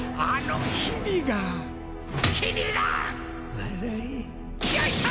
笑えよいしょ！